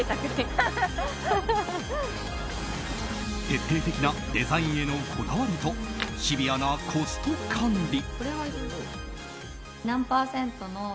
徹底的なデザインへのこだわりとシビアなコスト管理。